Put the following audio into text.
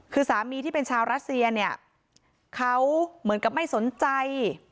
คือสามีที่เป็นชาวรัสเซียเนี่ยเขาเหมือนกับไม่สนใจ